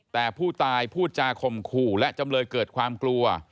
แต่ผู้ตายพูดจาข่มขู่และจำเลยเกิดความกลัว